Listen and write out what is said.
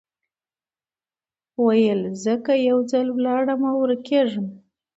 ویل زه که یو ځل ولاړمه ورکېږم